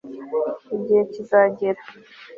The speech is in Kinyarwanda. igihe kizagera